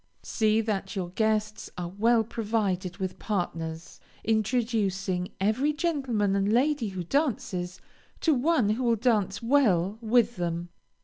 See that your guests are well provided with partners, introducing every gentleman and lady who dances, to one who will dance well with them.